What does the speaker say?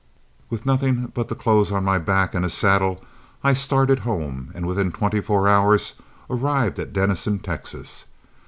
With nothing but the clothes on my back and a saddle, I started home, and within twenty four hours arrived at Denison, Texas.